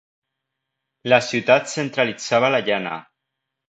La ciutat centralitzava la llana.